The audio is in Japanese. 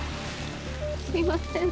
すいません